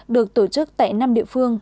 được tổ chức tại năm địa phương